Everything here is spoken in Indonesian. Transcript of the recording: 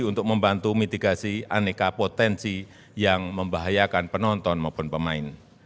untuk membantu mitigasi aneka potensi yang membahayakan penonton maupun pemain